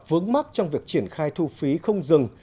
vướng mắt trong việc triển khai thu phí không dừng